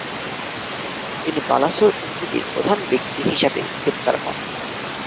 তিনি বালাসোর ইঞ্চুদির প্রধান ব্যক্তি হিসাবে গ্রেপ্তার হন।